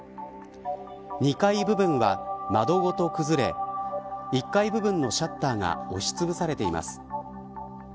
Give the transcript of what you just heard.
２階部分は、窓ごと崩れ１階部分のシャッターが押しつぶされています。